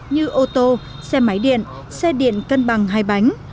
như ô tô xe máy điện xe điện cân bằng hai bánh